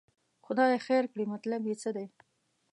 خدای خیر کړي، مطلب یې څه دی.